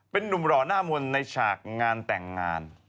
เป็นนุ่มหล่อหน้ามนต์ในฉากงานแต่งงาน